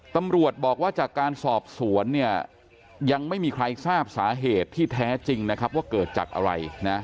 ตำรวจบอกว่าจากการสอบสวนเนี่ยยังไม่มีใครทราบสาเหตุที่แท้จริงนะครับว่าเกิดจากอะไรนะ